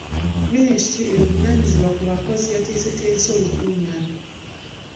Ministule evunaanyizibwa ku bakozi yateeseteese olukungaana.